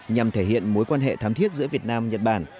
nhằm thể hiện mối quan hệ thám thiết giữa việt nam nhật bản